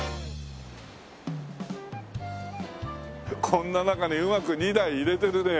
こんな中にうまく２台入れてるね。